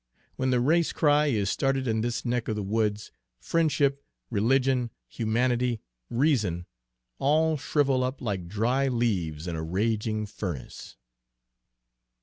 When the race cry is started in this neck of the woods, friendship, religion, humanity, reason, all shrivel up like dry leaves in a raging furnace."